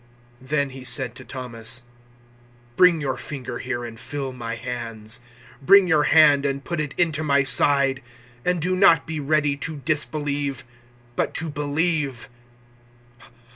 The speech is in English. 020:027 Then He said to Thomas, "Bring your finger here and feel my hands; bring you hand and put it into my side; and do not be ready to disbelieve but to believe."